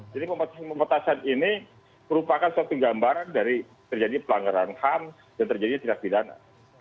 jadi pemotasan ini merupakan suatu gambaran dari terjadi pelanggaran ham dan terjadi tindak pidana